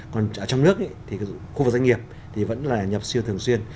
còn trong nước thì khu vực doanh nghiệp vẫn là nhập siêu thường xuyên